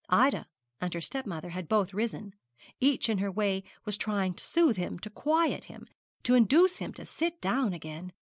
Ida and her stepmother had both risen, each in her way was trying to soothe, to quiet him, to induce him to sit down again.